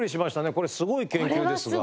これすごい研究ですが。